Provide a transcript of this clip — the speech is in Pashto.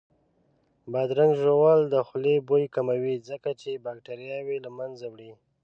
بادرنګ ژوول د خولې بوی کموي ځکه چې باکتریاوې له منځه وړي